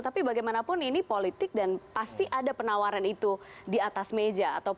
tapi bagaimanapun ini politik dan pasti ada penawaran itu di atas meja